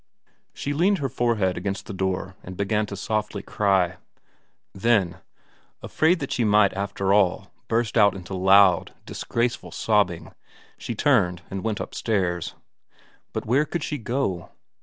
... She leaned her forehead against the door and began softly to cry. Then, afraid that she might after all burst out into loud, disgraceful sobbing, she turned and went upstairs. But where could she go